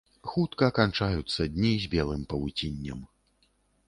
Хутка канчаюцца дні з белым павуціннем.